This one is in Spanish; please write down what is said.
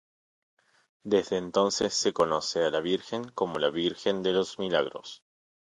Desde entonces se conoce a la virgen como la "Virgen de los Milagros".